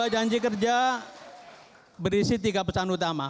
dua puluh dua janji kerja berisi tiga pesan utama